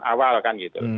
awal kan gitu